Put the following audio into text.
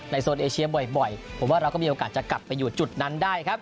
โซนเอเชียบ่อยผมว่าเราก็มีโอกาสจะกลับไปอยู่จุดนั้นได้ครับ